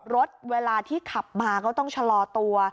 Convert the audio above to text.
รถเวลาที่ขับมาก็ต้องชะลอตัว